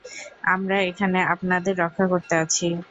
আমরা এখানে আপনাদের রক্ষা করতে আছি।